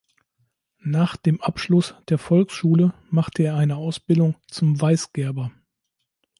Nach dem Abschluss der Volksschule machte er eine Ausbildung zum Weißgerber.